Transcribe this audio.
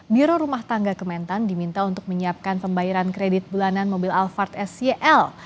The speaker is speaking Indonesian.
biro rumah tangga kementan diminta untuk menyiapkan pembayaran kredit bulanan mobil alphard sel